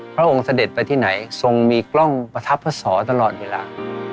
พระองค์เสด็จไปที่ไหนทรงมีกล้องประทับพระสอตลอดเวลา